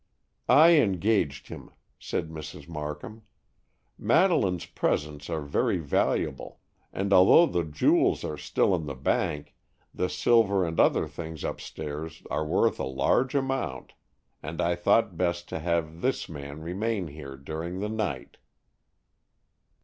"I engaged him," said Mrs. Markham. "Madeleine's presents are very valuable, and although the jewels are still in the bank, the silver and other things upstairs are worth a large amount, and I thought best to have this man remain here during the night."